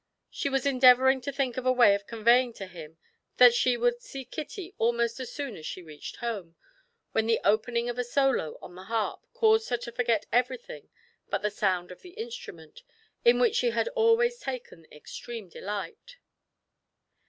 She was endeavouring to think of a way of conveying to him that she would see Kitty almost as soon as she reached home, when the opening of a solo on the harp caused her to forget everything but the sound of the instrument, in which she had always taken extreme delight.